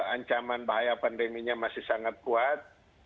ancaman bahaya pandeminya masih sangat kuat